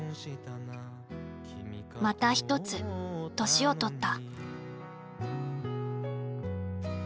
また一つ年をとった。